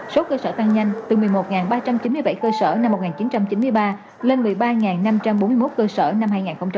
số cơ sở tăng nhanh từ một mươi một ba trăm chín mươi bảy cơ sở năm một nghìn chín trăm chín mươi ba lên một mươi ba năm trăm bốn mươi một cơ sở năm hai nghìn một mươi chín